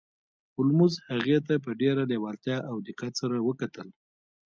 هولمز هغې ته په ډیره لیوالتیا او دقت سره وکتل